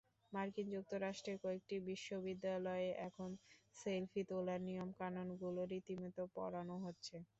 মার্কিন যুক্তরাষ্ট্রের কয়েকটি বিশ্ববিদ্যালয়ে এখন সেলফি তোলার নিয়মকানুনগুলো রীতিমতো পড়ানো হচ্ছে।